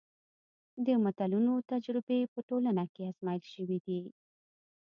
د متلونو تجربې په ټولنه کې ازمایل شوي دي